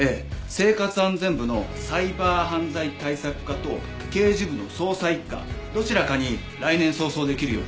生活安全部のサイバー犯罪対策課と刑事部の捜査一課どちらかに来年早々できる予定です。